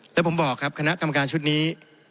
แล้วผมบอกครับคณะกรรมการชุดนี้